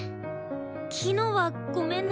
昨日はごめんね。